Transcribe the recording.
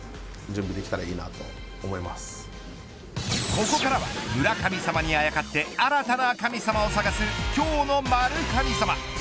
ここからは村神様にあやかって新たな神様を探す今日の○神様。